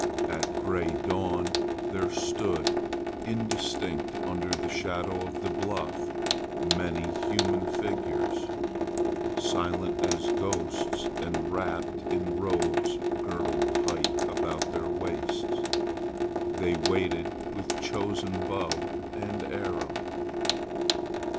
At gray dawn there stood indistinct under the shadow of the bluff many human figures; silent as ghosts and wrapped in robes girdled tight about their waists, they waited with chosen bow and arrow.